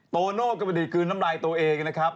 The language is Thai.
โตโนภาคินกำลังดีกืนน้ำลายตัวเองนะครับ